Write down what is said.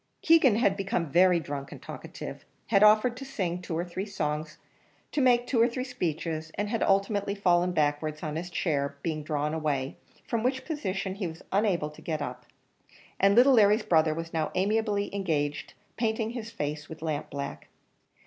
Keegan had become very drunk and talkative, had offered to sing two or three songs, to make two or three speeches, and had ultimately fallen backwards, on his chair being drawn away, from which position he was unable to get up, and little Larry's brother was now amiably engaged painting his face with lampblack.